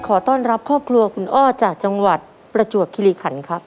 ขอต้อนรับครอบครัวคุณอ้อจากจังหวัดประจวบคิริขันครับ